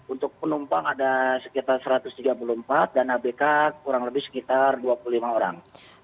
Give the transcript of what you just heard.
untuk penumpang ada sekitar satu ratus tiga puluh empat dan abk kurang lebih sekitar dua puluh lima orang